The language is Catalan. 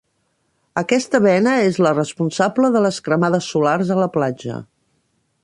Aquesta bena és la responsable de les cremades solars a la platja.